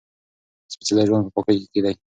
سپېڅلی ژوند په پاکۍ کې دی.